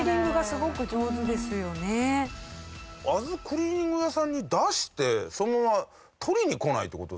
クリーニング屋さんに出してそのまま取りに来ないって事ある？